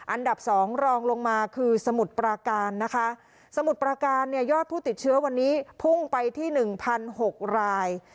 อันดับ๒รองลงมาคือสมุดประการนะคะสมุดประการเนี่ยยอดผู้ติดเชื้อวันนี้พุ่งไปที่๑๐๐๖ราย